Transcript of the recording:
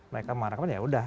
mereka mengharapkan ya udah